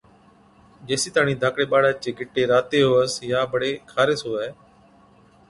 جيسِي تاڻِي ڌاڪڙي ٻاڙا چي گِٽي راتي هُوَس يان بڙي خارس هُوَي